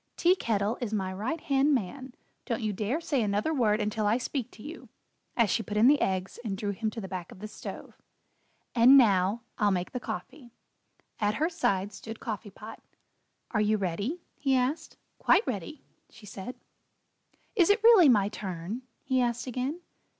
"Tea Kettle is my right hand man. Don't you dare say another word until I speak to you" as she put in the eggs, and drew him to the back of the stove. "And now, I'll make the coffee." At her side stood Coffee Pot. "Are you ready?" he asked. "Quite ready," she said. "Is it really my turn?" he asked again.